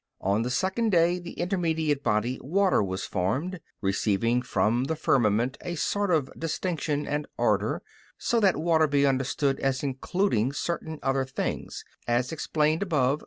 On the second day the intermediate body, water, was formed, receiving from the firmament a sort of distinction and order (so that water be understood as including certain other things, as explained above (Q.